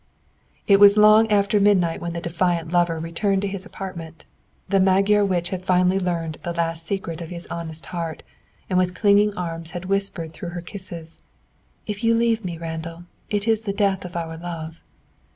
It was long after midnight when the defiant lover returned to his apartment. The Magyar witch had finally learned the last secret of his honest heart, and with clinging arms had whispered through her kisses, "If you leave me, Randall, it is the death of our love."